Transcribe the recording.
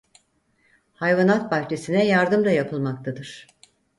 Hayvanat bahçesine yardım da yapılmaktadır.